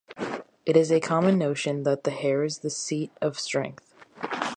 It is a common notion that the hair is the seat of strength.